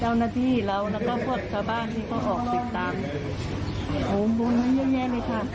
เจ้าหน้าที่เราแล้วก็พวกชาวบ้านที่เขาออกติดตามโหมบุญมาเยอะแยะเลยค่ะ